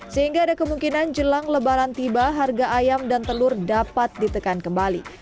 sehingga ada kemungkinan jelang lebaran tiba harga ayam dan telur dapat ditekan kembali